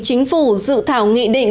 chính phủ dự thảo nghị định